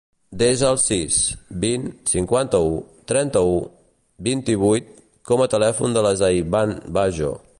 Desa el sis, vint, cinquanta-u, trenta-u, vint-i-vuit com a telèfon de la Zainab Bajo.